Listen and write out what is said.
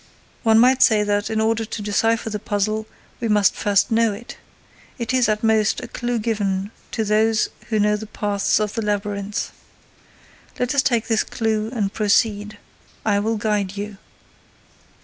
One might say that, in order to decipher the puzzle, we must first know it. It is, at most, a clue given to those who know the paths of the labyrinth. Let us take this clue and proceed. I will guide you.